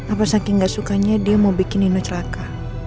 apa saking nggak sukanya dia mau bikin nino celaka